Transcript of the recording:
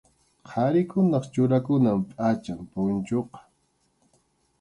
Qharikunap churakunan pʼacham punchuqa.